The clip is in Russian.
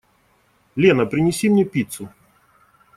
Лена, принеси мне пиццу.